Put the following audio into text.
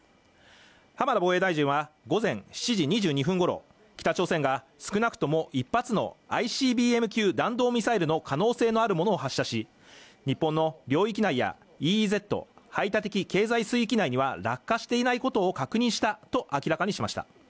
浜田防衛大臣は午前７時２２分ごろ、北朝鮮が少なくとも１発のＩＣＢＭ級弾道ミサイルの可能性のあるものを発射し、日本の領域内やＥＥＺ＝排他的経済水域内には落下していないことを確認したと明らかにしました。